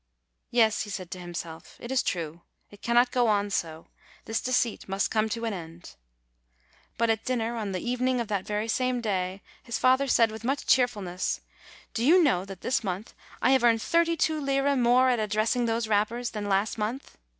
"Yes," he said to himself, "it is true; it cannot go on so; this deceit must come to an end." But at dinner, on the evening of that very same day, his father said with much cheerfulness, "Do you know that this month I have earned thirty two lire more at addressing those wrappers than last month!"